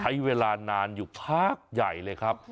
ใช้เวลานานอยู่พักใหญ่เลยครับ